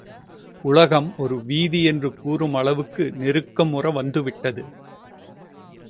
உலகம் ஒரு வீதி என்று கூறும் அளவுக்கு நெருக்கமுற வந்தவிட்டது.